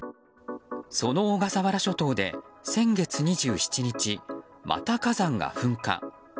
その小笠原諸島で先月２７日また火山が噴火。